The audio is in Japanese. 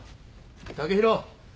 剛洋